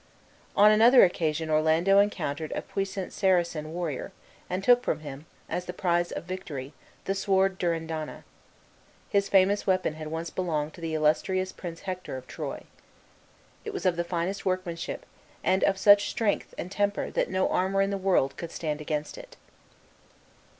On another occasion Orlando encountered a puissant Saracen warrior, and took from him, as the prize of victory, the sword Durindana. This famous weapon had once belonged to the illustrious prince Hector of Troy. It was of the finest workmanship, and of such strength and temper that no armor in the world could stand against it.